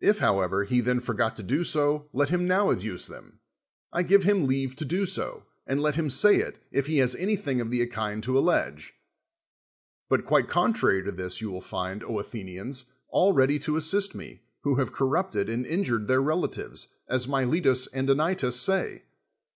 If, however, he then forgot to do so, let him now adduce them, I give him leave to do so, and let him say it, if he has anything of the kind to allege. But quite contrary to this, you will find, Athenians, aJi ready to assist me, who have corrupted and in jured their relatives, as Miletus and Anytus say.